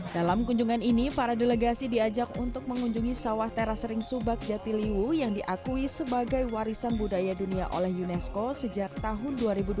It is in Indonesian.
dalam kunjungan ini para delegasi diajak untuk mengunjungi sawah teras ring subak jatiliwung yang diakui sebagai warisan budaya dunia oleh unesco sejak tahun dua ribu dua belas